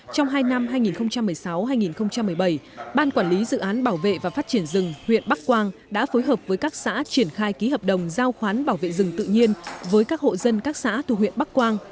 trong hai năm hai nghìn một mươi sáu hai nghìn một mươi bảy ban quản lý dự án bảo vệ và phát triển rừng huyện bắc quang đã phối hợp với các xã triển khai ký hợp đồng giao khoán bảo vệ rừng tự nhiên với các hộ dân các xã thu huyện bắc quang